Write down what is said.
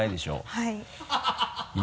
はい。